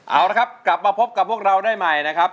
เอาละครับกลับมาพบกับพวกเราได้ใหม่นะครับ